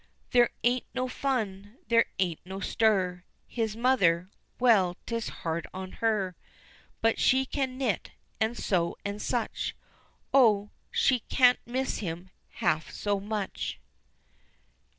There ain't no fun, there ain't no stir, His mother well 'tis hard on her, But she can knit, and sew, and such Oh, she can't miss him half so much!